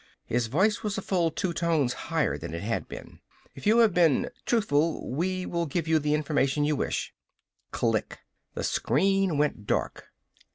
His voice was a full two tones higher than it had been. "If you have been truthful we will give you the information you wish." Click! The screen went dark.